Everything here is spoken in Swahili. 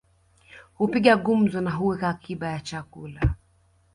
Hupiga gumzo na huweka akiba ya chakula